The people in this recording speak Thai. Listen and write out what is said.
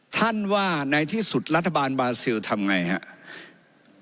ท่านว่าในที่สุดรัฐบาลบาซิลทำไงครับ